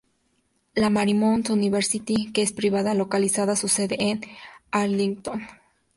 La Marymount University, que es privada, localiza su sede en Arlington.